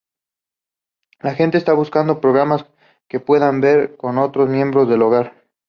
La gente está buscando programas que puedan ver con otros miembros del hogar.